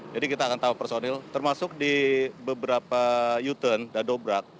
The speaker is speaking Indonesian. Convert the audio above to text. kita akan tahu personil termasuk di beberapa u turn dan dobrak